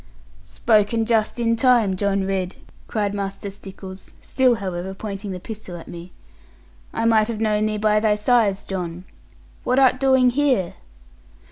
'Spoken just in time, John Ridd!' cried Master Stickles, still however pointing the pistol at me: 'I might have known thee by thy size, John. What art doing here?'